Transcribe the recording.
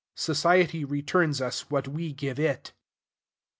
Society returns us what we give it.